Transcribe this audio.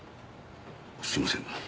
すいません。